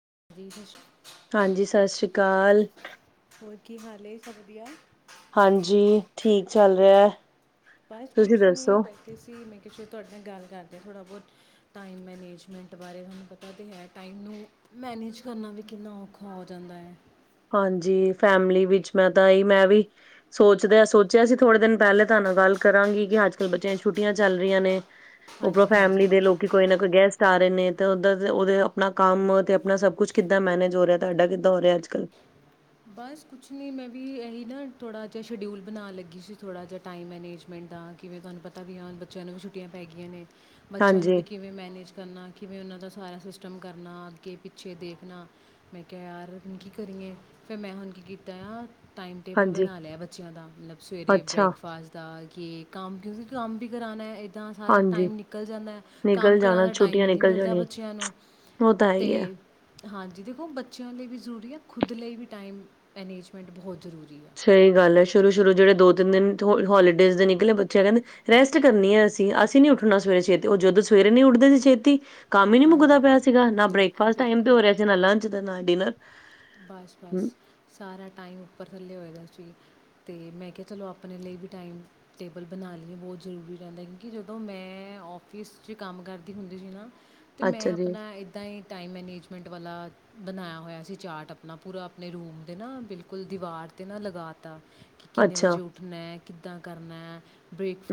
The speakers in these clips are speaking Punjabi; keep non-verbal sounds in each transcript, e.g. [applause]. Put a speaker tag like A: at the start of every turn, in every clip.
A: [unintelligible]
B: ਹਾਂਜੀ ਸਤਿ ਸ਼੍ਰੀ ਅਕਾਲ।
A: ਹੋਰ ਕੀ ਹਾਲ ਸਭ ਵਧੀਆ?
B: ਹਾਂਜੀ ਠੀਕ ਚੱਲ ਰਿਹਾ ਹੈ।
A: ਬਸ
B: ਤੁਸੀਂ
A: ਕੁਛ ਨੀ
B: ਦੱਸੋ
A: ਬੈਠੇ ਸੀ ਮੈਂ ਕਿਂ ਤੁਹਾਡੇ ਨਾਲ ਗੱਲ ਕਰਦੇ ਹਾਂ ਥੋੜਾ ਬਹੁਤ ਟਾਈਮ ਮੈਨੇਜਮੈਂਟ ਬਾਰੇ ਤੁਹਾਨੂੰ ਪਤਾ ਤਾਂ ਹੈ ਟਾਈਮ ਨੂੰ ਮੈਨੇਜ ਕਰਨਾ ਵੀ ਕਿੰਨਾ ਔਖਾ ਹੋ ਜਾਂਦਾ ਹੈ।
B: ਹਾਂਜੀ ਫੈਮਿਲੀ ਵਿੱਚ ਮੈਂ ਤਾਂ ਇਹ ਮੈਂ ਵੀ, ਸੋਚਦਾ ਸੋਚਿਆ ਸੀ ਥੋੜੇ ਦਿਨ ਪਹਿਲੇ ਤੁ ਤੁਹਾਡੇ ਨਾਲ ਗੱਲ ਕਰਾਂਗੀ ਕਿ ਅੱਜਕੱਲ ਬੱਚਿਆਂ ਛੁੱਟੀਆਂ ਚੱਲ ਰਹੀਆਂ ਨੇ, ਉਪਰੋਂ
A: ਹਾਂਜੀ
B: ਫੈਮਿਲੀ
A: ਹਾਂਜੀ
B: ਦੇ ਲੋਕੀ ਕੋਈ ਨਾ ਕੋਈ ਗੈਸਟ ਸਾਰੇ ਨੇ ਤੇ ਉਧਰ ਦੇ ਉਹਦੇ ਆਪਣਾ ਕੰਮ ਤੇ ਆਪਣਾ ਸਭ ਕੁਛ ਕਿੱਦਾਂ ਮੈਨੇਜ ਹੋ ਰਿਹਾ ਤੁਹਾਡਾ ਕਿੱਦਾਂ ਹੋ ਰਿਹਾ ਅੱਜਕੱਲ੍ਹ?
A: ਬਸ ਕੁਛ ਨਹੀਂ ਮੈਂ ਵੀ ਇਹੀ ਨਾ ਥੋੜ੍ਹਾ ਜਿਹਾ ਸ਼ਡਿਊਲ ਬਣਾਉਣ ਲੱਗੀ ਸੀ ਥੋੜ੍ਹਾ ਜਿਹਾ ਟਾਈਮ ਮੈਨੇਜਮੈਂਟ। ਦਾ ਕਿਵੇਂ ਤੁਹਾਨੂੰ ਪਤਾ ਵੀ ਆ ਬੱਚਿਆਂ ਨੂੰ ਵੀ ਛੁੱਟੀਆਂ ਪੈ ਗਈਆਂ ਨੇ। ਬੱਚਿਆਂ ਨੂੰ ਵੀ
B: ਹਾਂਜੀ
A: ਕਿਵੇਂ ਮੈਨੇਜ ਕਰਨਾ ਕਿਵੇਂ ਉਹਨਾਂ ਦਾ ਸਾਰਾ ਸਿਸਟਮ ਕਰਨਾ ਅੱਗੇ-ਪਿੱਛੇ ਦੇਖਣਾ ਮੈਂ ਕਿਹਾ ਯਾਰ ਹੁਣ ਕੀ ਕਰੀਏ। ਫਿਰ ਮੈਂ ਹੁਣ ਕੀ ਕੀਤਾ ਆ ਟਾਈਮ ਟੇਬਲ
B: ਹਾਂਜੀ
A: ਬਣਾ ਲਿਆ ਬੱਚਿਆਂ ਦਾ ਮਤਲਬ ਸਵੇਰੇ
B: ਅੱਛਾ
A: ਬ੍ਰੇਕਫਾਸਟ ਦਾ। ਕਿ ਕੰਮ ਕਿਉਂਕਿ ਕੰਮ ਵੀ ਕਰਾਣਾ ਹੈ। ਇੱਦਾਂ ਸਾਰਾ
B: ਹਾਂਜੀ
A: ਟਾਈਮ ਨਿਕਲ ਜਾਂਦਾ ਐ
B: ਨਿਕਲ
A: ਕੰਮ ਕਰਾਉਣ
B: ਜਾਣਾ
A: ਦਾ ਟਾਈਮ
B: ਛੁੱਟੀਆਂ
A: ਹੀ ਨਹੀਂ
B: ਨਿਕਲ
A: ਮਿਲਦਾ
B: ਜਾਣੀਆਂ
A: ਬੱਚਿਆਂ ਨੂੰ।
B: ਉਹ ਤਾਂ ਹੈ ਈ ਐ।
A: ਅਤੇ ਹਾਂਜੀ ਦੇਖੋ ਬੱਚਿਆਂ ਲਈ ਵੀ ਜ਼ਰੂਰੀ ਆ ਖੁਦ ਲਈ ਵੀ ਟਾਈਮ ਮੈਨੇਜਮੈਂਟ ਬਹੁਤ ਜ਼ਰੂਰੀ ਆ।
B: ਸਹੀ ਗੱਲ ਹੈ ਸ਼ੁਰੂ-ਸ਼ੁਰੂ ਜਿਹੜੇ ਦੋ ਤਿੰਨ ਦਿਨ ਤੋਂ ਹੋਲੀਡੇਜ਼ ਦੇ ਨਿਕਲੇ ਬੱਚੇ ਕਹਿੰਦੇ ਰੈਸਟ ਕਰਨੀ ਹੈ ਅਸੀਂ ਅਸੀਂ ਨੀ ਉੱਠਣਾ ਸਵੇਰੇ ਛੇਤੀ ਉਹ ਜਦੋਂ ਸਵੇ ਸਵੇਰੇ ਨੀ ਉੱਠਦੇ ਛੇਤੀ। ਕੰਮ ਹੀ ਨਹੀਂ ਮੁੱਕਦਾ ਪਿਆ ਸੀਗਾ
A: ਹਾਂਜੀ
B: ਨਾ
A: ਬਿਲਕੁਲ
B: ਬ੍ਰੇਕਫਾਸਟ ਟਾਈਮ ਤੇ ਹੋ ਰਿਹਾ ਸੀ ਨਾ ਲੰਚ ਤੇ ਨਾ ਡਿਨਰ।
A: ਬਸ-ਬਸ ਸਾਰਾ ਟਾਈਮ ਉਪਰ ਥੱਲੇ ਹੋਏ ਦਾ ਸੀ। ਤੇ ਮੈਂ ਕਿਹਾ ਚਲੋ ਆਪਣੇ ਲਈ ਵੀ ਟਾਈਮ ਟੇਬਲ ਬਣਾ ਲਈਏ ਬਹੁਤ ਜ਼ਰੂਰੀ ਰਹਿੰਦਾ ਕਿ ਜਦੋਂ ਮੈਂ ਮੈਂ ਔਫਿਸ 'ਚ ਕੰਮ ਕਰਦੀ ਹੁੰਦੀ ਸੀ ਨਾ। ਤੇ
B: ਅੱਛਾ
A: ਮੈਂ
B: ਜੀ
A: ਆਪਣਾ ਏਦਾਂ ਹੀ ਟਾਇਮ ਮੈਨੇਜ਼ਮੈਂਟ ਵਾਲਾ ਬਣਾਇਆ ਹੋਇਆ ਸੀ। ਚਾਟ ਆਪਣਾ ਪੂਰਾ ਆਪਣੇ ਰੂਮ 'ਤੇ ਨਾ ਬਿਲਕੁਲ ਦੀਵਾਰ 'ਤੇ ਨਾ ਲਗਾ ਤਾ। ਕਿ ਕਿੰਨੇ
B: ਅੱਛਾ
A: ਵਜੇ ਉੱਠਣਾ, ਕਿੱਦਾਂ ਕਰਨਾ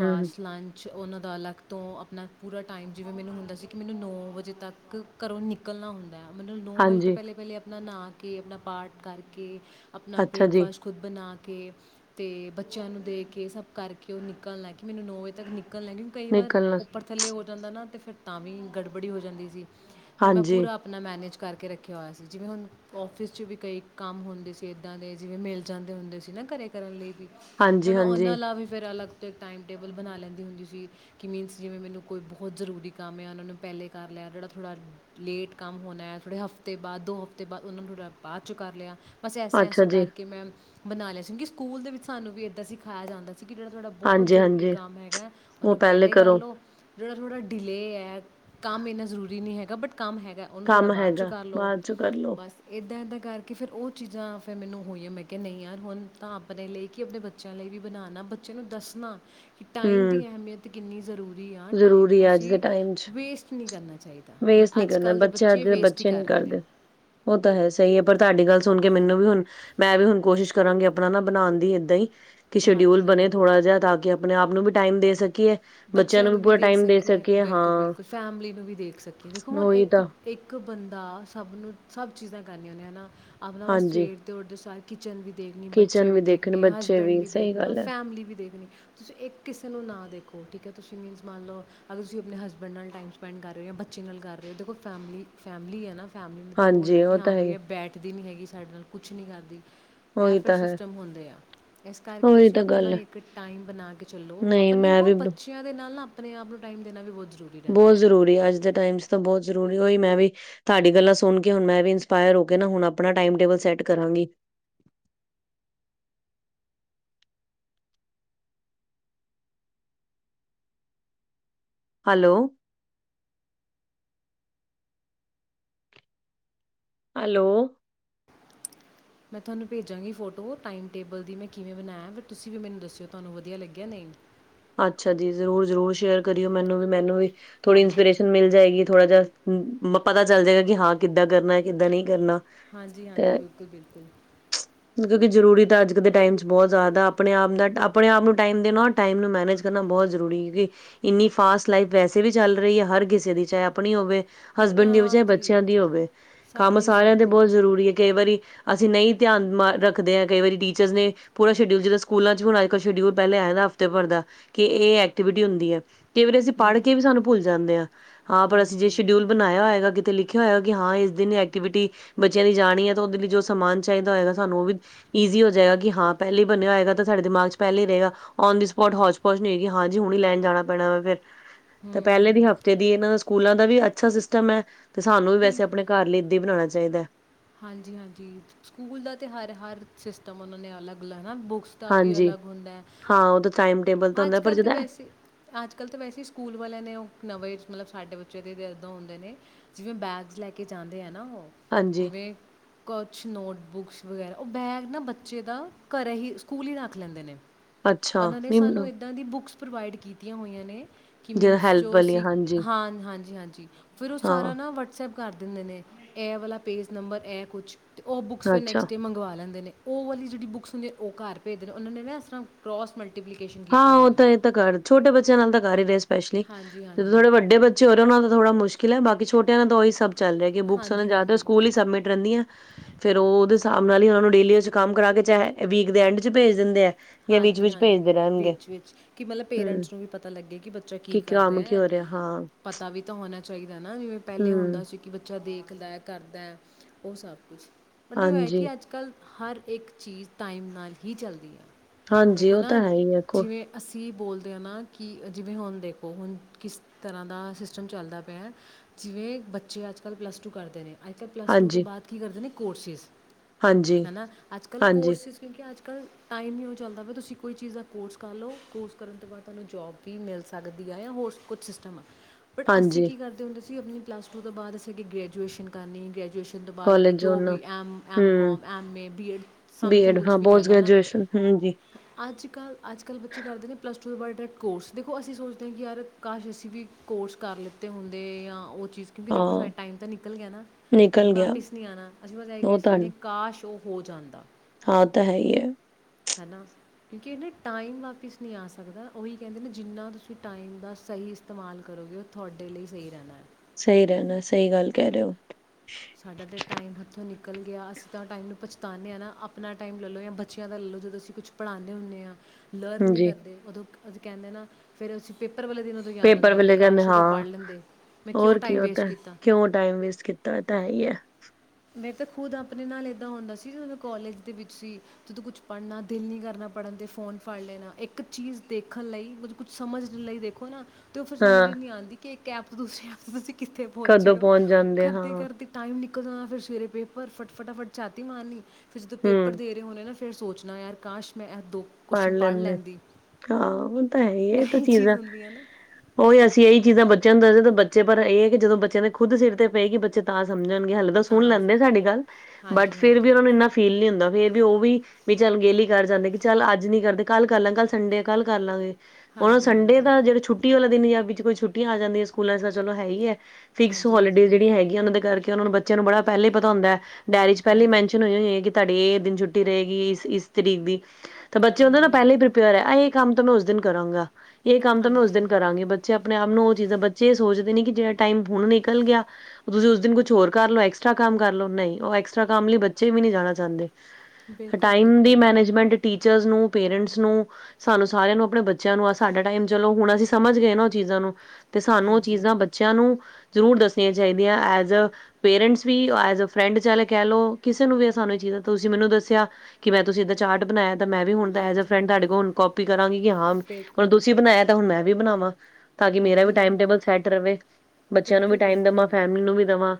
B: ਹਮ
A: ਲੰਚ। ਅਤੇ ਉਹਨਾਂ ਦਾ ਅਲੱਗ ਤੋਂ ਆਪਣਾ ਪੂਰਾ ਟਾਈਮ ਜਿਵੇਂ ਮੈਨੂੰ ਹੁੰਦਾ ਸੀ ਕਿ ਮੈਨੂੰ ਨੌ ਵਜੇ ਤੱਕ ਘਰੋਂ ਨਿਕਲਣਾ ਹੁੰਦਾ ਮਤਲਬ ਨੌ ਵਜੇ ਤੋਂ
B: ਹਾਂਜੀ
A: ਪਹਿਲੇ-ਪਹਿਲੇ ਆਪਣਾ ਨਹਾ ਕੇ ਆਪਣਾ ਪਾਠ ਕਰਕੇ ਆਪਣਾ
B: ਅੱਛਾ ਜੀ
A: ਬ੍ਰੈਕਫਾਸਟ ਖੁਦ ਬਣਾ ਕੇ ਤੇ ਬੱਚਿਆਂ ਨੂੰ ਦੇ ਕੇ ਸਭ ਕਰਕੇ ਉਹ ਨਿਕਲਣਾ ਕਿ ਮੈਨੂੰ ਨੌ ਵਜੇ ਤੱਕ ਨਿਕ ਕੱਲੇ ਨੂੰ ਕਈ ਵਾਰ,
B: ਨਿਕਲਣਾ
A: ਉੱਪਰ ਥੱਲੇ ਹੋ ਜਾਂਦਾ ਨਾ ਤੇ ਫਿਰ ਤਾਂ ਵੀ ਗੜਬੜੀ ਹੋ ਜਾਂਦੀ ਸੀ। ਫਿਰ ਮੈਂ
B: ਹਾਂਜੀ,
A: ਪੂਰਾ ਆਪਣਾ ਮੈਨੇਜ ਕਰਕੇ ਰੱਖਿਆ ਹੋਇਆ ਸੀ। ਜਿਵੇਂ ਹੁਣ ਔਫਿਸ 'ਚ ਵੀ ਕਈ ਕੰਮ ਹੁੰਦੇ ਸੀ ਇੱਦਾਂ ਦੇ ਜਿਵੇਂ ਮਿਲ ਜਾਂਦੇ ਹੁੰਦੇ ਸੀ ਨਾ ਘਰੇ ਕਰਨ ਲਈ ਵੀ। ਫਿਰ
B: ਹਾਂਜੀ,
A: ਮੈਂ
B: ਹਾਂਜੀ
A: ਉਹਨਾਂ ਆਲਾ ਵੀ ਫਿਰ ਅਲੱਗ ਇੱਕ ਟਾਈਮ ਟੇਬਲ ਬਣਾ ਲੈਂਦੀ ਹੁੰਦੀ ਸੀ ਕਿ ਮੀਨਸ ਜਿਵੇਂ ਮੈਨੂੰ ਕੋਈ ਬਹੁਤ ਜ਼ਰੂਰੀ ਕੰਮ ਆ ਉਹਨਾਂ ਨੂੰ ਪਹਿਲੇ ਕਰ ਲਿਆ। ਲਿਆ ਜਿਹੜਾ ਥੋੜਾ ਲੇਟ ਕੰਮ ਹੋਣਾ ਹੈ ਥੋੜੇ ਹਫ਼ਤੇ ਬਾਅਦੋ ਤੇ ਬਾਅ ਉਹਨਾਂ ਨੂੰ ਥੋੜ੍ਹਾ ਬਾਅਦ ਚੋਂ ਕਰ ਲਿਆ ਬਸ ਇਸ ਤਰ੍ਹਾਂ ਇਸ
B: ਅੱਛਾ
A: ਤਰ੍ਹਾਂ
B: ਜੀ
A: ਕਰਕੇ ਮੈਂ ਬਣਾ ਲਿਆ ਸੀ ਕਿਉਂਕਿ ਸਕੂਲ ਦੇ ਵਿੱਚ ਸਾਨੂੰ ਵੀ ਏਦਾਂ ਸਿਖਾਇਆ ਜਾਂਦਾ ਸੀ ਕਿ ਜਿਹੜਾ ਤੁਹਾਡਾ ਬਹੁਤ
B: ਹਾਂਜੀ,
A: ਜ਼ਰੂਰੀ
B: ਹਾਂਜੀ
A: ਕੰਮ ਹੈਗਾ
B: ਉਹ
A: ਉਹਨੂੰ ਪਹਿਲੇ ਕਰ
B: ਕਰੋ
A: ਲਉ। ਜਿਹੜਾ ਥੋੜ੍ਹਾ ਡਿਲੇਅ ਹੈ ਕੰਮ ਇੰਨਾ ਜ਼ਰੂਰੀ ਨਹੀਂ ਹੈਗਾ ਬਟ ਕੰਮ ਹੈਗਾ ਉਹਨੂੰ
B: ਕੰਮ
A: ਥੋੜ੍ਹਾ
B: ਹੈਗਾ ਬਾਅਦ ਚੋਂ ਕਰ ਲੋ
A: ਕਰਕੇ ਫਿਰ ਉਹ ਚੀਜ਼ਾਂ ਫਿਰ ਮੈਨੂੰ ਹੋਈਆਂ ਮੈਂ ਕਿਹਾ ਨਹੀਂ ਯਾਰ ਹੁਣ ਤਾਂ ਆਪਣੇ ਲਈ ਕਿ ਆਪਣੇ ਬੱਚਿਆਂ ਲਈ ਵੀ ਬਣਾਣਾ। ਬੱਚੇ ਨੂੰ ਦੱਸਣਾ। ਕਿ ਟਾਈਮ ਦੀ
B: ਹਮ
A: ਅਹਿਮੀਅਤ ਕਿੰਨੀ ਜ਼ਰੂਰੀ ਆ ਟਾਈਮ
B: ਜ਼ਰੂਰੀ
A: ਨੂੰ
B: ਹੈ ਅੱਜ ਦੇ
A: ਅਸੀਂ
B: ਟਾਈਮ ਚ
A: ਵੇਸਟ ਨਹੀਂ ਕਰਨਾ। ਚਾਹੀਦਾ
B: ਵੇਸਟ
A: ਬਟ
B: ਨਹੀਂ
A: ਅੱਜ
B: ਕਰਨਾ
A: ਕੱਲ੍ਹ ਦੇ
B: ਅੱਜ
A: ਬੱਚੇ ਵੇਸਟ ਈ
B: ਨੀ
A: ਕਰ ਰਹੇ ਨੇ
B: ਕਰਦੇ ਉਹ ਤਾਂ ਹੈ ਸਈ ਐ ਪਰ ਤੁਹਾਡੀ ਗੱਲ ਸੁਣ ਕੇ ਮੈਨੂੰ ਵੀ ਹੁਣ ਮੈਂ ਵੀ ਹੁਣ ਕੋਸ਼ਿਸ਼ ਕਰਾਂਗੀ ਆਪਣਾ ਨਾ ਬਣਾਉਣ ਦੀ ਏਦਾਂ ਈ ਕਿ ਸ਼ਡਿਊਲ
A: ਹਾਂਜੀ
B: ਬਣੇ
A: ਹਾਂਜੀ
B: ਥੋੜਾ ਜਾ ਤਾਂ ਕੀ ਆਪਣੇ ਆਪ ਨੂੰ ਵੀ ਟਾਈਮ ਦੇ ਸਕ
A: ਬੱਚਿਆਂ ਨੂੰ ਵੀ ਦੇ ਸਕੇ,
B: ਹਾਂ
A: ਬਿਲਕੁਲ-ਬਿਲਕੁਲ ਫੈਮਿਲੀ ਨੂੰ ਵੀ ਦੇਖ ਸਕੇ। ਕਿ ਦੇਖੋ ਹੁਣ
B: ਉਹੀ
A: ਇੱਕ
B: ਤਾਂ
A: ਇੱਕ ਬੰਦਾ ਸਭ ਨੂੰ ਸਭ ਚੀਜ਼ਾਂ ਕਰਨੀਆਂ ਹੁੰਦੀ ਆ ਨਾ। ਆਪਣਾ ਬਸ
B: ਹਾਂਜੀ
A: ਸਵੇਰ ਦੇ ਉੱਠਦੇ ਸਾਰ ਕਿਚਨ ਵੀ ਦੇਖਣੀ, ਬੱਚੇ
B: ਕਿਚਨ
A: ਵੀ
B: ਦੇਖਣ
A: ਦੇਖਣੇ,
B: ਬੱਚੇ
A: ਹਸਬੈਂਡ ਵੀ
B: ਸਹੀ
A: ਦੇਖਣਾ,
B: ਗੱਲ ਹੈ
A: ਫੈਮਿਲੀ ਵੀ ਦੇਖਣੀ ਤੁਸੀਂ ਇੱਕ ਕਿਸੇ ਨੂੰ ਨਾ ਦੇਖੋ। ਠੀਕ ਐ, ਤੁਸੀਂ ਮੀਨਸ ਮੰਨ ਲਓ ਅਗਰ ਤੁਸੀਂ ਆਪਣੇ ਹਸਬੈਂਡ ਨਾਲ ਟਾਈਮ ਸਪੈਂਡ ਕਰ ਰਿਓ ਜਾਂ ਬੱਚੇ ਨਾਲ ਕਰ ਰਹੇ ਹੋ ਦੇਖੋ ਫੈਮਿਲੀ ਫੈਮਲੀ ਐ ਨਾ ਫੈਮਿਲੀ ਨੇ ਤੇ
B: ਹਾਂਜੀ
A: ਬੋਲਣਾ ਕਿ
B: ਉਹ
A: ਹਾਂ
B: ਤਾਂ ਹੈ
A: ਬਈ
B: ਹੀ
A: ਇਹ ਬੈਠਦੀ ਨੀ ਹੈਗੀ ਸਾਡੇ ਨਾਲ ਕੁੱਛ ਨੀ ਕਰਦੀ। ਇਹ
B: ਉਹੀ
A: ਫਿਰ
B: ਤਾਂ ਹੈ
A: ਸਿਸਟਮ ਹੁੰਦੇ ਆ ਇਸ ਕਰਕੇ
B: ਉਹੀ
A: ਤੁਸੀਂ
B: ਤਾਂ
A: ਆਪਣਾ
B: ਗੱਲ ਹੈ
A: ਇੱਕ ਟਾਈਮ ਬਣਾ ਕੇ ਚੱਲੋ
B: ਨਹੀਂ
A: ਆਪਣੇ
B: ਮੈਂ
A: ਉਹ
B: ਵੀ ਬ
A: ਬੱਚਿਆਂ ਦੇ ਨਾਲ ਨਾ ਆਪਣੇ ਆਪ ਨੂੰ ਟਾਈਮ ਦੇਣਾ ਵੀ ਬਹੁਤ ਜ਼ਰੂਰੀ ਰਹਿੰਦਾ
B: ਬਹੁਤ ਜ਼ਰੂਰੀ ਅੱਜ ਦੇ ਟਾਈਮ ਚ ਤਾਂ ਬਹੁਤ ਜ਼ਰੂਰੀ ਮੈਂ ਵੀ ਤੁਹਾਡੀ ਗੱਲਾਂ ਸੁਣ ਕੇ ਹੁਣ ਮੈਂ ਵੀ ਇੰਸਪਾਇਰ ਹੋ ਕੇ ਨਾ ਹੁਣ ਆਪਣਾ ਟਾਈਮ ਟੇਬਲ ਸੈਟ ਕਰਾਂਗੀ। [inaudible] ਹੈਲੋ। ਹੈਲੋ।
A: ਮੈਂ ਤੁਹਾਨੂੰ ਭੇਜਾਂਗੀ ਫੋਟੋ ਟਾਈਮ ਟੇਬਲ ਦੀ ਮੈਂ ਕਿਵੇਂ ਬਣਾਇਆ ਫਿਰ ਤੁਸੀਂ ਵੀ ਮੈਨੂੰ ਦੱਸਿਓ ਤੁਹਾਨੂੰ ਵਧੀਆ ਲੱਗਿਆ ਨਹੀਂ।
B: ਅੱਛਾ ਜੀ, ਜ਼ਰੂਰ ਜ਼ਰੂਰ ਸ਼ੇਅਰ ਕਰਿਓ ਮੈਨੂੰ ਵੀ ਮੈਨੂੰ ਵੀ ਥੋੜ੍ਹੀ
A: ਹਾਂਜੀ
B: ਇੰਸਪੀਰੇਸ਼ਨ ਮਿਲ ਜਾਏਗੀ। ਥੋੜ੍ਹਾ ਜਾ ਪਤਾ ਚੱਲ ਜੇਗਾ ਕਿ ਹਾਂ ਕਿੱਦਾਂ ਕਰਨਾ ਕਿੱਦਾਂ ਨਹੀਂ ਕਰਨਾ। ਤੇ
A: ਹਾਂਜੀ-ਹਾਂਜੀ, ਬਿਲਕੁਲ-ਬਿਲਕੁਲ।
B: ਕਿਉਂਕਿ ਜਰੂਰੀ ਤਾਂ ਅੱਜ ਕੱਲ ਦੇ ਟਾਈਮ ਚ ਬਹੁਤ ਜ਼ਿਆਦਾ ਆਪਣੇ ਆਪ ਆਪਣੇ ਆਪ ਨੂੰ ਟਾਈਮ ਦੇਣਾ ਔਰ ਟਾਈਮ ਨੂੰ ਕਰਨਾ ਬਹੁਤ ਜ਼ਰੂਰੀ ਕਿਉਕਿ ਇੰਨੀ ਫਾਸਟ ਲਾਈਫ ਵੈਸੇ ਵੀ ਚੱਲ ਰਹੀ ਆ ਹਰ ਕਿਸੇ ਦੀ ਚਾਹੇ ਆਪਣੀ ਹੋਵੇ।
A: ਕ-
B: ਹਸਬੈਂਡ ਦੀ ਹੋਵੇ, ਚਾਹੇ
A: ਹਾਂਜੀ
B: ਬੱਚਿਆਂ ਦੀ ਹੋਵੇ,
A: ਸਭ
B: ਕੰਮ
A: ਦੀ ਸਭ
B: ਸਾਰਿਆਂ ਦੇ
A: ਦੀ
B: ਬਹੁਤ ਜ਼ਰੂਰੀ ਐ ਕਈ ਵਾਰੀ ਅਸੀਂ ਨਹੀਂ ਧਿਆਨ ਮ ਰੱਖਦੇ ਆ ਕਈ ਵਾਰੀ ਟੀਚਰਸ ਨੇ ਪੂਰਾ ਸ਼ਡਿਊਲ ਜਿੱਦਾਂ ਸਕੂਲਾਂ ਚ ਹੁਣ ਅੱਜ ਕੱਲ੍ਹ ਸ਼ਡਿਲ ਪਹਿਲੇ ਆ ਜਾਂਦਾ। ਹਫ਼ਤੇ ਭਰ ਦਾ ਕਿ ਇਹ ਐਕਟੀਵਿਟੀ ਹੁੰਦੀ ਆ। ਕਈ ਵਾਰੀ ਅਸੀਂ ਪੜ੍ਹ
A: ਹੂੰ
B: ਕੇ ਵੀ ਸਾਨੂੰ ਭੁੱਲ ਜਾਣੇ ਆ ਹਾਂ ਪਰ ਅਸੀਂ ਜੇ
A: ਹਾਂਜੀ
B: ਸ਼ਡਿਊਲ ਬਣਾਇਆ ਹੋਏਗਾ ਕਿਤੇ ਲਿਖ ਖਿਆ ਹੋਏਗਾ ਕਿ ਹਾਂ ਇਸ ਦਿਨ ਐਕਟੀਵਿਟੀ ਬੱਚਿਆਂ ਦੀ ਜਾਣੀ ਐ ਤਾਂ ਉਹਦੇ ਲਈ ਜੋ ਸਮਾਨ ਚਾਹੀਦਾ ਹੋਏਗਾ ਸਾਨੂੰ ਉਹ ਵੀ ਹੋਜੇਗਾ। ਕਿ ਹਾਂ ਪਹਿਲੇ ਹੀ ਬਣਿਆ ਹੋਏਗਾ ਤਾਂ ਸਾਡੇ ਦਿਮਾਗ ਚ ਪਹਿਲੇ ਹੀ ਰਹੇਗਾ ਓਨ ਦੀ ਸਪੋਰਟ। ਕੁੱਛ ਨੀ ਕੀ ਹਾਂਜੀ ਹੁਣੀ ਲੈਣ ਜਾਣਾ ਪੈਣਾ ਫੇਰ ਤੇ ਪਹਿਲੇ ਦੀ ਹ ਜਦੀ ਇਹਨਾਂ ਦਾ ਸਕੂਲਾਂ ਦਾ ਵੀ ਅੱਛਾ ਸਿਸਟਮ ਐ ਤੇ ਸਾਨੂੰ ਵੀ ਵੈਸੇ ਆਪਣੇ ਘਰ ਲਈ ਏਦਾਂ ਹੀ ਬਣਾਣਾ ਚਾਹੀਦਾ।
A: ਹਾਂਜੀ-ਹਾਂਜੀ, ਸਕੂਲ ਦਾ ਤੇ ਹਰ ਹਰ ਸਿਸਟਮ ਉਹਨਾ ਨੇ ਅਲੱਗ-ਅਲੱਗ ਬੁੱਕਸ ਦਾ ਵੀ
B: ਹਾਂਜੀ
A: ਅਲੱਗ ਹੁੰਦਾ।
B: ਹਾਂ ਉਹਦਾ ਟਾਈਮ ਟੇਬਲ ਤਾਂ
A: ਅੱਜ
B: ਹੁੰਦਾ ਪਰ
A: ਕੱਲ੍ਹ ਤੇ
B: ਜਦੋਂ
A: ਵੈਸੇ ਅੱਜ ਕੱਲ ਤਾਂ ਵੈਸੇ ਈ ਸਕੂਲ ਵਾਲਿਆਂ ਨੇ ਉਹ ਨਵੇਂ ਮਤਲਬ ਸਾਡੇ ਬੱਚੇ ਦੇ ਇਦਾਂ ਹੁੰਦੇ ਨੇ ਜਿਵੇਂ ਬੈਗਜ਼ ਲੈ ਕੇ ਜਾਂਦੇ ਐ। ਨਾ ਉਹ
B: ਹਾਂਜੀ
A: ਜਿਵੇਂ ਕੁਛ ਨੋਟ ਬੁੱਕਸ ਵਗੈਰਾ ਉਹ ਬੈਗ ਨਾ ਬੱਚੇ ਦਾ ਘਰ ਹੀ ਸਕੂਲ ਹੀ ਰੱਖ ਲੈਂਦੇ ਨੇ।
B: ਅੱਛਾ
A: ਉਹਨਾਂ ਨੇ
B: ਨਹੀਂ।
A: ਸਾਨੂੰ ਇੱਦਾਂ ਦੀ ਬੁੱਕਸ ਪ੍ਰੋਵਾਈਡ ਕੀਤੀਆਂ ਹੋਈਆਂ ਨੇ ਕਿ
B: ਜਿਹੜਾ
A: ਮੀਨਸ
B: ਹੈਲਪ
A: ਜੋ
B: ਵਾਲੀ ਆ,
A: ਅਸੀਂ
B: ਹਾਂਜੀ
A: ਹਾਂ ਹਾਂਜੀ-ਹਾਂਜੀ। ਜੀ, ਫਿਰ ਉਹ ਸਾਰਾ
B: ਹਾਂ
A: ਨਾ ਵਟਸਐਪ ਕਰ ਦਿੰਦੇ ਨੇ ਇਹ ਵਾਲਾ ਪੇਜ ਨੰਬਰ ਇਹ ਕੁੱਛ ਤੇ ਉਹ ਬੁੱਕਸ ਫਿਰ
B: ਅੱਛਾ
A: ਨੈਕਸਟ ਡੇ ਮੰਗਵਾ ਲੈਂਦੇ ਨੇ। ਉਹ ਵਾਲੀ ਜਿਹੜੀ ਬੁੱਕਸ ਹੁੰਦੀ ਉਹ ਘਰ ਭੇਜਦੇ ਨੇ ਉਹਨਾਂ ਨੇ ਨਾ ਇਸ ਤਰ੍ਹਾਂ ਕਰੋਸ ਮਲਟ
B: ਹਾਂ, ਉਹ ਤਾਂ ਇਹ ਤਾਂ ਕਰ ਛੋਟੇ ਬੱਚਿਆਂ ਨਾਲ ਤਾਂ ਕਰ ਹੀ [unintelligible] ਸਪੈਸ਼ਲੀ
A: ਹਾਂਜੀ,
B: ਜਦੋਂ
A: ਹਾਂਜੀ।
B: ਥੋੜੇ ਵੱਡੇ ਬੱਚੇ ਹੋਰੇ ਉਹਨਾਂ ਦਾ ਥੋੜਾ ਮੁਸ਼ਕਿਲ ਐ ਬਾਕੀ ਛੋਟਿਆਂ ਦਾ ਤਾਂ ਉਹੀ ਸਭ ਚੱਲ ਰਿਹਾ ਕਿ ਬੁੱਕਸ
A: ਹਾਂਜੀ,
B: ਜ਼ਿਆਦਾ
A: ਹਾਂਜੀ।
B: ਸਕੂਲ ਹੀ ਸਬਮਿਟ ਰਹਿੰਦੀ ਆ ਫੇਰ ਉਹਦੇ ਹਿਸਾਬ ਨਾਲ ਹੀ ਉਹ ਨੂੰ ਡੇਲੀ ਵਿੱਚ ਕੰਮ ਕਰਾ ਕੇ ਚਾਹੇ ਵੀਕ ਦੇ ਐਂਡ ਚ ਭੇਜ ਦਿੰਦੇ ਹੈ।
A: ਹਾਂਜੀ ਹਾਂਜੀ। ਵਿੱਚ ਵਿਚ ਕਿ ਮਤਲਬ
B: ਹਮ
A: ਪੇਰੈਂਟਸ ਨੂੰ ਵੀ ਪਤਾ ਲੱਗੇ ਕਿ ਬੱਚਾ ਕੀ ਕਰ
B: ਕੰਮ
A: ਰਿਹਾ
B: ਕੀ
A: ਹੈ
B: ਹੋ ਹਾਂ
A: ਪਤਾ ਵੀ ਤਾਂ ਹੋਣਾ ਚਾਹੀਦਾ ਨਾ ਜਿਵੇਂ ਪਹਿਲੇ
B: ਹਮ
A: ਹੁੰਦਾ ਸੀ ਕਿ ਬੱਚਾ ਦੇਖਦਾ ਕਰਦਾ ਉਹ ਸਭ ਕੁਛ ਮਤਲਬ ਹੈ
B: ਹਾਂਜੀ
A: ਕਿ ਅੱਜ ਕੱਲ੍ਹ ਹਰ ਇੱਕ ਚੀਜ਼ ਟਾਈਮ ਨਾਲ ਹੀ ਚੱਲਦੀ ਹੈ।
B: ਹਾਂਜੀ ਉਹ ਤਾਂ ਹੈ ਹੀ ਹੈ ਕੋ
A: ਤੁਸੀਂ ਬੋਲਦੇ ਹੋ ਨਾ ਕਿ ਜਵੇਂ ਹ ਦੇਖੋ ਹ ਕਿਸ ਤਰ੍ਹਾਂ ਦਾ ਸਿਸਟਮ ਚੱਲਦਾ ਪਿਆ। ਜਿਵੇਂ ਬੱਚੇ ਅੱਜ ਕੱਲ੍ਹ ਪਲੱਸ ਟੂ ਕਰਦੇ ਨੇ। ਅੱਜ ਕੱਲ ਪਲੱਸ ਟੂ ਤੋਂ
B: ਹਾਂਜੀ
A: ਬਾਅਦ ਕੀ ਕਰਦੇ ਨੇ ਕੋਰਸਿਸ
B: ਹਾਂਜੀ
A: ਹਨ ਅੱਜ ਕੱਲ
B: ਹਾਂਜੀ
A: ਕੋਰਸਿਿਸ ਕਿਉਂਕਿ ਅੱਜ ਟ ਚੱਲਦਾ ਵ ਤੁਸੀਂ ਕੋਈ ਚੀਜ਼ ਦਾ ਕੋਰਸ ਕਰ ਲਓ ਕੋਰਸ ਕਰਨ ਤੋਂ ਬਾਅਦ ਤੁਹਾਨੂੰ ਜੋਬ ਵੀ ਮਿਲ ਸਕਦੀ ਹੈ ਜਾਂ ਹੋਰ ਕੁਛ ਬਟ ਅਸੀ
B: ਹਾਂਜੀ
A: ਕੀ ਕਰਦੇ ਹੁੰਦੇ ਸੀ ਅਪਣੀ ਪਲਸ ਟੂ ਤੌ ਬਾਅਦ ਅਸੀ ਗਰੈਜੂਏਸ਼ਨ ਕਰਨੀ ਗਰੈਜੂਏਸ਼ਨ ਕਰਨੀ ਉਹਦੇ ਬਾਅਦ ਅ
B: ਕਾਲਜ
A: ਜੋ
B: ਉਹਨਾਂ
A: ਵੀ M M
B: hmm
A: com M A BEd something
B: BEd
A: ਕੁਛ
B: ਹਾਂ
A: ਵੀ ਕਹਿ
B: ਪੋਸਟ
A: ਲਓ ਹੈ ਨਾ।
B: ਗ੍ਰੈਜੂਏਸ਼ਨ ਹਾਂਜੀ
A: ਅੱਜ ਕੱਲ੍ਹ ਅੱਜ ਕੱਲ੍ਹ ਬੱਚੇ ਕਰਦੇ ਨੇ ਪਲੱਸ ਟੂ ਉਸ ਬਅ ਡਰੈਕਟ ਕੋਰਸ ਦੇਖੋ ਅਸੀਂ ਸੋਚਦੇ ਹਾਂ ਕਿ ਯਾਰ ਕਛ ਅਸੀਂ ਵੀ ਕੋਰਸ ਕਰ ਲਿੱਤੇ ਹੁੰਦੇ ਜਾਂ ਉਹ
B: ਹਾਂ
A: ਟਾਇਮ ਤਾ ਨਿਕਲ ਗਿਆ ਨਾ
B: ਨਿਕਲ
A: ਟਾਇਮ
B: ਗਿਆ
A: ਵਾਪਸ ਤਾ ਨਹੀ ਨਹੀ
B: ਉਹ ਤਾਂ
A: ਆਣਾ ਕਾਸ਼ ਉਹ ਹੋ ਜਾਂਦਾ।
B: ਹਾਂ ਤਾਂ ਹੈ।
A: ਹਨਾ ਕਿਉਂਕਿ ਇਹਨੇ ਟਾਈਮ ਵਾਪਿਸ ਨਹੀਂ ਆ ਸਕਦਾ ਉਹੀ ਕਹਿੰਦੇ ਜਿੰਨਾ ਤੁਸੀਂ ਟਾਈਮ ਦਾ ਸਹੀ ਇਸਤੇਮਾਲ ਕਰੋਗੇ ਉਹ ਤੁਹਾਡੇ ਲਈ ਸਹੀ ਰਹਿੰਦਾ।
B: ਸਹੀ ਰਹਿਣਾ ਸਹੀ ਗੱਲ ਕਹਿ ਰਹੇ ਹੋ।
A: ਸਾਡਾ ਤੇ ਟਾਈਮ ਹੱਥੋਂ ਨਿਕਲ ਨਿਕਲ ਗਿਆ ਅਸੀਂ ਤਾਂ ਟਾਈਮ ਨੂੰ ਪਛਤਾਨੇ ਆ ਨਾ ਆਪਣਾ ਟਾਈਮ ਲੈ ਲਓ ਜਾਂ ਬੱਚਿਆਂ ਦਾ ਲੈ ਲਓ ਜਦੋਂ ਅਸੀਂ ਕੁਛ ਪੜ੍ਹਾਂਦੇ ਹੁੰਦੇ ਆ। ਲਰਨ ਨਹੀਂ
B: ਹਾਂਜੀ
A: ਕਰਦੇ ਉਦੋਂ ਕਹਿੰਦੇ ਨਾ ਫਿਰ ਉਸ ਪੇਪ ਉੱਪਰ ਵਾਲੇ ਦਿਨ ਉਦੋਂ ਯਾਦ
B: ਪੇਪਰ
A: ਆਉਂਦਾ ਯਾਰ
B: ਵੇਲੇ ਕਹਿੰਦੇ
A: ਕਾਸ਼ ਉਦੋਂ
B: ਹਾਂ
A: ਪੜ੍ਹ ਲੈਂਦੇ ਮੈਂ ਕਿਉਂ
B: ਹੋਰ
A: ਟਾਈਮ ਵੇਸਟ ਕੀਤਾ।
B: ਪਤਾ ਹੀ ਹੈ।
A: ਮੈਂ ਤਾਂ ਖੁਦ ਆਪਣੇ ਨਾਲ ਇਏਦਾਂ ਹੁੰਦਾ ਸੀ ਜਦੋਂ ਮੈਂ ਕੋਲੇਜ ਦੇ ਵਿੱਚ ਸੀ ਜਦੋਂ ਕੁਛ ਪੜ੍ਹਨਾ ਦਿਲ ਨਹੀਂ ਕਰਨਾ ਪੜ੍ਹ ਬ ਫੋਨ ਫੜ ਲੈਣਾ ਇੱਕ ਚੀਜ਼ ਦੇਖਣ ਲਈ ਮਤਲਬ ਕੁਛ ਸਮਝ ਲਈ ਦੇਖੋ ਨਾ। ਤੇ ਉਹ ਫਿਰ ਸਮਝ
B: ਹਾਂ
A: ਇਨੀ ਆਉਂਦੀ ਕਿ ਇੱਕ ਐਪ ਦੂਸਰੇ ਐ ਕਿੱਥੇ ਪਹੁੰਚੇ
B: ਕਦੋਂ
A: ਹੋ
B: ਪਹੁੰਚ ਜਾਂਦੇ
A: ਕਰਦੇ
B: ਹਾਂ,
A: ਕਰਦੇ ਟਾਈਮ ਨਿਕਲ ਜਾਣਾ। ਫਿਰ ਸਵੇਰੇ ਪੇਪਰ ਫਟ ਫਟਾਫਟ ਾਤੀ ਮਾਰਨੀ ਫਰ ਜਦੋਂ ਪੇਪਰ
B: ਹੂੰ,
A: ਦੇ ਰਹੇ ਹੋਣੇ ਨਾ। ਫਿਰ ਸੋਚਣਾ ਯਾਰ ਕਾਸ਼ ਮੈਂ ਐ
B: ਪੜ ਲੈਂਦੇ ਹਾਂ ਉਹ ਤਾਂ ਹੈ ਹੀ ਇਹ ਤਾਂ
A: ਇਹੀ
B: ਚੀਜ਼
A: ਹੁੰਦੀ ਹੈ ਨਾ
B: ਉਹੀ ਅਸੀਂ ਇਹੀ ਚੀਜ਼ਾਂ ਬੱਚਿਆਂ ਨੂੰ ਦੱਸਦੇ ਤਾਂ ਬੱਚੇ ਪਰ ਇਹ ਹੈ ਕਿ ਜਦੋਂ ਬੱਚਿਆਂ ਦੇ ਖੁਦ ਸਿਰ ਤੇ ਪਏਗੀ ਬੱਚੇ ਤਾਂ ਸਮਝ ਸਮ ਜਾਣਗੇ ਹਲੇੇ ਤਾਂ ਸੁਣ ਲੈਂਦੇ ਸਾਡੀ ਗੱਲ ਬਟ
A: ਹਾਂਜੀ
B: ਫੇਰ ਵੀ
A: ਹਾਂਜੀ ਹਾਂਜੀ
B: ਉਹਨਾਂ ਨੂੰ ਇੰਨਾ ਫੀਲ ਨੀ ਹੁੰਦਾ। ਫੇਰ ਵੀ ਉਹ ਵੀ ਚੱਲ ਗਹਲੀ ਕਰ ਜਾਂਦੇ ਕਿ ਚੱਲ ਅੱਜ ਨੀ ਕਰਦੇ ਕੱਲ ਕਰ ਲਾਂ ਕੱਲ ਸੰਡੇ ਕੱਲ ਕਰ ਲਾਂਗੇ। ਹੁਣ
A: ਹਾਂਜੀ
B: ਸੰਡੇ ਦਾ
A: ਹਾਂਜੀ
B: ਜਿਹੜੇ ਛੁੱਟੀ ਵਾਲੇ ਦਿਨਾਬ ਵਿੱਚ ਚ ਕੋਈ ਛੁੱਟੀਆਂ ਆ ਜਾਂਦੀਆਂ ਸਕੂਲਾਂ ਚ ਤਾਂ ਚਲੋ ਹੈ ਹੀ ਹੈ। ਫਿਕਸ ਹੋਲੀਡੇ
A: ਹਾਂਜੀ
B: ਜਿਹੜੀਆਂ ਹੈਗੀੀਆਂ ਉਹਨਾਂ ਦੇ ਕਰਕੇ ਉਹਨਾਂ ਨੂੰ ਬੱਚਿਆਂ ਨੂੰ ਬੜਾ ਪਹਿਲੇ ਪਤਾ ਹੁੰਦਾ ਹੈ। ਡਾਇਅਰੀ 'ਚ ਪਹਿਲੇ
A: ਹਾਂਜੀ
B: ਮੈਨਸ਼ਨ ਹੋਏ ਹੋਈ ਹੈ ਕਿ ਤੁਹਾਡੀ ਇਹ ਦਿਨ ਛੁੱਟੀ ਰਹੇਗੀ ਇਸ ਤਰੀਕ ਦੀ ਤੇ ਬੱਚੇ ਹੁੰਦੇ ਨਾ
A: ਹਾਂਜੀ
B: ਪਹਿਲੇਾਂ ਹੀ ਪ੍ਰੀਪੇਅਰ ਹੈ ਆਹ ਇਹ ਕੰਮ ਤਾਂ ਮੈਂ ਉਸ ਦਿਨ ਕਰਾਂਗਾ। ਇਹ ਕੰਮ ਤਾਂ ਮੈਂ ਉਸ
A: ਹਾਂਜੀ
B: ਦਿਨ
A: ਹਾਂਜੀ
B: ਕਰਾਂਗੀ ਬੱਚੇ ਆਪਣੇ ਆਪ ਨੂੰ ਚੀਾਂ ਬੱਚੇ ਇਹ ਸੋਚਦੇ ਨੇ ਕਿ ਜਿਹੜਾ ਟਾਈਮ ਹੁਣ ਨਿਕਲ ਗਿਆ ਤੁਸੀਂ ਉਸ ਦਿਨ ਕੁਛ ਹੋਰ ਕਰਲੋ ਐਕਸਟਰਾ ਕੰਮ ਕਰਲੋ ਉਹਕਸਮ ਲਈ ਬੱਚੇ ਵੀ ਨਹੀਂ ਜਾਣਾ ਚਾਹੁੰਦੇ
A: ਬਿਲਕੁਲ
B: ਟਮ ਦੀ
A: ਬਿਲਕੁਲ
B: ਮੈਨੇਜਮੈਂਟ ਟੀਚਰਸ ਨੂੰ ਪੇਰੈਂਟਸ ਨੂੰ ਸਾਨੂੰ ਸਾਰਿਆਂ ਨੂੰ ਆਪਣੇ ਬੱਚਿਆਂ ਨੂੰ ਸਾਡਾ ਟਾਈਮ ਚਲੋ ਹੁਣ ਅਸੀਂ ਸਮਝ ਗਏ ਨਾ ਉਹ ਚੀਜ਼ਾਂ ਨੂੰ ਤੇ ਸਾਨੂੰ ਉਹ
A: ਹਾਂਜੀ
B: ਚੀਜ਼ਾਂ ਬੱਚਿਆਂ ਨੂੰ ਜ਼ਰੂਰ ਦੱਸਣੀਆਂ ਚਾਹੀਦੀਆਂ ਐਜ ਆ ਪੇਰੈਂਟਸ ਵੀ ਐਜ ਫਰੈਂਡ ਚਾਹੇ ਕਹਿ ਲਓ ਕਿਸੇ ਨੂੰ ਵੀ ਸਾਨੂੰ ਚੀਜ਼ ਤੁਸੀਂ ਮੈਨੂੰ ਦੱਸਿਆ ਕਿ ਮੈਂ ਤੁਸੀਂ ਇਏਦਾਂ ਚਾਟ ਬਣਾਇਆ। ਮੈਂ ਵੀ ਹੁਣ ਤਾਂ ਐਜ ਆ
A: ਹਾਂਜੀ
B: ਫਰੈਂਡ ਤੁਡੇ
A: ਹਾਂਜੀ
B: ਕੋਲ ਹੁਣ ਕਪੀ ਕਰਾਂਗੀ ਕਿ ਹਾਂ
A: ਬਿਲਕੁਲ
B: ਮਤਲ ਤੁਸੀਂ ਬਣਾਇਆ ਤਾਂ ਹੁਣ ਮੈਂ ਵੀ ਬਣਾਵਾਾਂ। ਤਾਂ ਕਿ ਮੇਰਾ ਵੀ
A: ਉਹੀ ਨਾ
B: ਟਮ ਟੇਬਲ ਸੈਟ ਰਹੇ ਬੱਚਿਆਂ ਨੂੰ ਵੀ
A: ਬਿਲਕੁਲ
B: ਟਾਈਮ ਦੇਵਾਂ
A: ਬਿਲਕੁਲ
B: ਫੈਮਲੀ ਨੂੰ ਵੀ ਦੇਵਾਂ।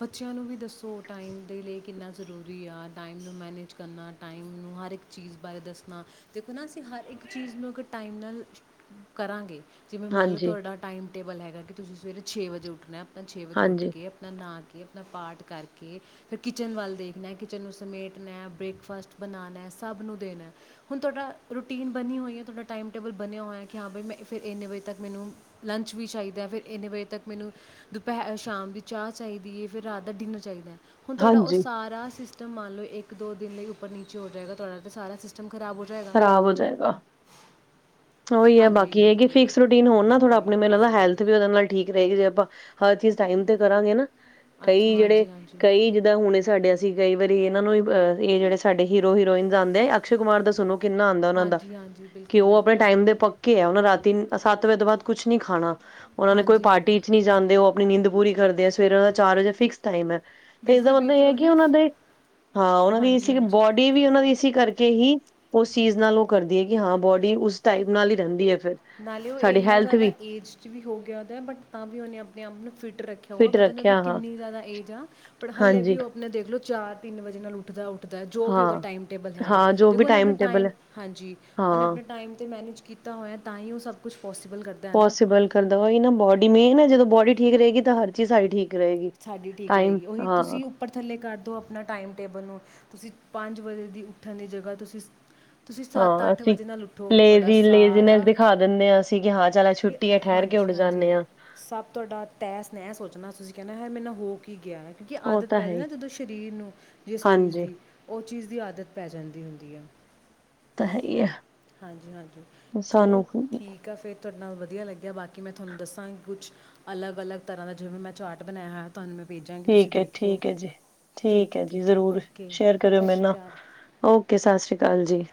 A: ਬੱਚਿਆਂ ਨੂੰ ਵੀ ਦੱਸੋ ਟਾਈਮ ਦੇ ਲਈ ਕਿੰਨਾ ਜ਼ਰੂਰੀ ਆ। ਟਾਈਮ ਨੂੰ ਮੈਨੇਜ ਕਰਨਾ ਟਾਈਮ ਨੂੰ ਹਰ ਇੱਕ ਚੀਜ਼ ਬਾਰੇ ਦੱਸਣਾ ਦੇਖੋ ਨਾ ਅਸੀਂ ਹਰ ਇੱਕ ਚੀਜ਼ ਨੂੰ ਅ ਟ ਟਾਈਮ ਨਾਲ ਕਰਾਂਗੇ। ਵੇਂ ਮੰਨ ਲਓ
B: ਹਾਂਜੀ
A: ਤੁਹਾਡਾ ਟਾਈਮ ਟੇਬਲ ਹੈਗਾ ਕਿ ਤੁਸੀਂ ਸਵੇਰੇ ਛੇ ਵਜੇ ਉੱਠਣਾ ਆਪਣਾ ਛੇ ਵਜੇ ਉੱਠ
B: ਹਾਂਜੀ
A: ਕੇ ਆਪਣਾ ਨ ਆਪਣਾ ਪਾਠ ਕਰਕੇ ਫਿਰ ਕਿਚਨ ਵੱਲ ਦੇਖਣਾ ਕਿਚਨ ਨੂੰ ਸਮੇਟਣਾ ਬ੍ਰੇਕਫਾਸਟ ਬਣਾਉਣਾ। ਸਭ ਨੂੰ ਦੇਣਾ ਹੁਣ ਤੁਹਾਡਾ ਰੂਟੀਨ ਬਣੀ ਹੋਈ ਹੈ ਤੁਹਾਡਾ ਟਾਈਮ ਟੇਬਲ ਬਣਿਆ ਹੋਇਆ ਕਿ ਹਾਂ ਬਾਈ ਮ ਫਿਰ ਇੰਨੇ ਵਜੇ ਤੱਕ ਮੈਨੂੰ ਲੰਚ ਵੀ ਚਾਹੀਦਾ ਫਿਰ ਇੰਨੇ ਵਜੇ ਤੱਕ ਮੈਨੂੰ ਦੁਪਹਿਰ ਸ਼ਾਮ ਦੀ ਚਾਹ ਚਾਹੀਦੀ ਹੈ ਫਿਰ ਰਾਤ ਦਾ ਡਿਨਰ ਚਾਹੀਦਾ ਹੈ। ਹੁਣ ਤੁਹਾਡਾ ਉਹ
B: ਹਾਂਜੀ
A: ਸਾਰਾ ਸਿਸਟਮ ਮੰਨ ਲਓ ਇੱਕ ਦੋ ਦਿਨ ਲਈ ਉੱਪਰ ਨੀਚੇ ਹੋ ਜਾਏਗਾ ਤੁਹਾਡਾ ਤੇ ਸਾਰਾ ਸਿਸਟਮ ਖਰਾਬ ਹੋ ਜਾਏਗਾ
B: ਖ਼ਰਾਬ ਹੋ ਜਾਏਗਾ। ਉਹੀ ਹੈ
A: ਹਾਂਜੀ
B: ਬਾਕੀ ਇਹਗੀ ਫਿਕਸ ਰੂਟੀਨ ਹੋਣ ਨਾ ਥੋੜ੍ਹਾ ਆਪਣੀ ਮੈਨ ਲੱਦਾ ਹੈਲਥ ਵੀ ਉਹਦੇ ਨਾਲ ਠੀਕ ਰਹੇਗੀ ਜੇ ਆਪਾਂ ਹਰ ਚੀਜ਼ ਟਾਈਮ ਤੇ ਕਰਾਂਗੇ ਨਾ
A: ਅੱਛਾ
B: ਕਈ ਜਿਹੜੇ
A: ਹਾਂਜੀ ਹਾਂਜੀ
B: ਕਈ ਜਿੱਦਾਂ ਹੁਣੇ ਸਾਡੇ ਸੀ ਕਈ ਵਾਰੀ ਇਹਨਾਂ ਨੂੰਹ ਇਹ ਜਿਹੜੇ ਸਾਡੇ ਹੀਰੋ ਹੀਰੋਇਨ ਜਾਂਦੇ ਆ ਅਕਸ਼ੇ ਕੁਮਾਰ ਦਾ ਸੁਣੂੰ ਕਿੰਨਾ ਆਉਂਦਾ ਉਹਨਾਂ ਦਾ
A: ਹਾਂਜੀ ਹਾਂਜੀ
B: ਕਿ
A: ਬਿਲਕੁਲ
B: ਉਹ ਆਪਣੇ
A: ਬਿਲਕੁਲ
B: ਟਾਈਮ ਦੇ ਪੱਕੇ ਆ ਉਹਨਾ ਰਾਤੀ ਸੱਤ ਵਜੇ ਤੋਂ ਬਾਅਦ ਕੁੱਛ ਨੀ ਖਾਣਾ। ਉਹਨਾ ਨੂੰ ਕੋਈ
A: ਹਾਂਜੀ
B: ਪਾਰਟੀ
A: ਹਾਂਜੀ
B: ਚ ਨੀ ਜਾਂਦੇ ਉਹ ਆਪਣੀ ਨਿੰਂਦ ਪੂਰੀ ਕਰਦੇ ਆ ਸਵੇਰ ਉਹ ਦਾ ਚਾਰ ਵਜੇ ਫਿਕਸ ਟਾਈਮ ਹੈ। ਤੇ ਇਸਦਾ
A: ਬਿਲਕੁਲ
B: ਮਤਲਬ ਇਹ
A: ਬਿਲਕੁਲ
B: ਹੈ
A: ਉਹੀ
B: ਕਿ
A: ਨਾ
B: ਉਹਨਾਂ ਦੇ ਹਾਂ ਉਹਨਾਂ ਦੀ
A: ਹਾਂਜੀ
B: ਸੀ
A: ਹਾਂਜੀ
B: ਬੋਡੀ ਵੀ ਉਹਨਾਂ ਦੀ ਕਰਕੇ ਹੀ ਉਹ ਚੀਜ਼ ਨਾਲ ਉਹ ਕਰਦੀ ਹੈ ਕਿ ਹਾਂ ਬੋਡੀ ਉਸ ਟਾਈਪ ਨਾਲ ਹੀ ਰਹਿੰਦੀ ਹੈ। ਫਿਰ
A: ਨਾਲੇ ਉਹ
B: ਸਾਡੀ
A: ਇੰਨਾ
B: ਹੈਲਥ
A: ਜ਼ਿਆਦਾ
B: ਵੀ
A: ਏਜ ਚ ਵੀ ਹੋ ਗਿਆ ਉਹਦਾ ਬਟ ਤਾਂ ਵੀ ਉਹਨੇ ਆਪਣੇ ਆਪ ਨੂੰ ਫਿਟ ਰੱਖਿਆ ਹੋ
B: ਫਿਟ
A: ਪਤਾ ਉਹਦੀ
B: ਰੱਖਿਆ ਹਾਂ।
A: ਕਿੰਨੀ ਜ਼ਿਆਦਾ ਏਜ ਆ ਪਰ ਹਾਲੇ
B: ਹਾਂਜੀ,
A: ਵੀ ਉਹ ਆਪਣੇ ਦੇਖਲੋ ਚਾਰ ਤਿੰਨ ਵਜੇ ਨਾਲ ਉੱਠਦਾ। ਜੋ ਵੀ ਉਹਦਾ
B: ਹਾਂ,
A: ਟਾਈਮ ਟੇਬਲ ਹੈਗਾ
B: ਹਾਂ ਜੋ
A: ਦੇਖੋ
B: ਵੀ
A: ਉਹਨੇ ਆਪਣੇ
B: ਟੇਬਲ
A: ਟਾਈਮ
B: ਹੈ
A: ਹਾਂਜੀ ਉਹਨੇ
B: ਹਾਂ।
A: ਆਪਣੇ ਟਾਈਮ ਤੇ ਮੈਨੇਜ ਕੀਤਾ ਹੋਇਆ ਤਾਂ ਹੀ ਉਹ ਸਭ ਕੁਛ
B: ਪੋਸੀਬਲ ਕਰਦਾ ਵਹੀ ਨਾ ਬੋਡੀ ਮੇਨ ਹੈ ਜਦੋਂ ਬੋਡੀ ਠੀਕ ਰਹੇਗੀ ਤਾਂ ਹਰ ਚੀਜ਼ ਆਈ ਠੀਕ। ਰਹੇਗੀ।
A: ਸਾਡੀ ਠੀਕ
B: ਟਾਈਮ
A: ਰਹੇਗੀ ਉਹੀ
B: ਹਾਂ,
A: ਤੁਸੀਂ ਉੱਪਰ ਥੱਲੇ ਕਰਦਓ ਆਪਣਾ ਟਾਈਮ ਟੇਬਲ ਨੂੰ ਤੁਸੀਂ ਪੰਜ ਵਜੇ ਦੀ ਉੱਠਣ ਦੀ ਜਗ੍ਹਾ ਤੁਸੀਂ ਤੁਸੀਂ
B: ਹਾਂ ਅਸੀਂ
A: ਵਜੇ ਨਾਲ ਉੱਠੋ
B: ਲਜ਼
A: ਤੁਹਾਡਾ
B: ਲੇਜ਼ੀਨੈਸ
A: ਸਾਰਾ
B: ਦਿਖਾ ਦਿੰਦੇ ਹਾਂ ਅਸੀਂ ਕਿ ਹਾਂ ਚੱਲ
A: ਕਿ
B: ਛੁੱਟੀ ਆ ਠਹਿਰ ਕਿਉਂ
A: ਹਾਂਜੀ
B: ਜੁੱੜ
A: ਹਾਂਜੀ
B: ਜਾਂਦੇ ਹਾਂ।
A: ਸਭ ਤੁਹਾਡਾ ਤੈਅ ਸ ਨਹਿ ਸੋਚਣਾ ਤੁਸੀਂ ਕਹਿੰਦੇ ਹੈ ਮੇਰੇ ਨਾਲ ਹੋ ਕੇ ਹੀ ਗਿਆ ਹੈ ਕਿਉਂਕਿ
B: ਉਹ
A: ਆਦਤ
B: ਤਾਂ ਹੈ
A: ਪੈਦੀ
B: ਹੀ
A: ਨਾ ਜਦੋਂ ਸਰੀਰ ਨੂੰ ਜਿਸ ਚੀਜ਼
B: ਹਾਂਜੀ
A: ਦੀ ਉਹ ਚੀਜ਼ ਦੀ ਆਦਤ ਪੈ ਜਾਂਦੀ ਹੁੰਦੀ ਹੈ।
B: ਤਾਂ
A: ਹਾਂਜੀ ਹਾਂਜੀ ਚਲੋ
B: ਸਾਨੂੰ
A: ਠੀਕ ਆ ਫੇਰ ਤੁਹਾਡੇ ਨਾਲ ਵਧੀਆ ਲੱਗਿਆ ਬਾਕੀ ਕਿ ਮੈਂ ਤੁਹਾਨੂੰ ਦੱਸਾਂਗੀ ਕੁੱਛਲਗ ਅਲੱਗ ਤਰ੍ਹਾਂ ਦਾ ਜਿਵੇਂ ਮੈਂ ਚਾਰਟ ਬਣਾਇਆ ਹੋਇਆ ਤੁਹਾਨੂੰ ਮ
B: ਠੀਕ ਹੈ ਠੀਕ ਹੈ ਜੀ। ਠੀਕ ਹੈ ਜੀ ਜ਼ਰੂਰ ਸ਼ੇਅਰ ਕਰਿਓ ਮੇਰੇ ਨਾ ਓਕੇ ਸਤਿ ਸ੍ਰੀ ਅਕਾਲ ਜੀ।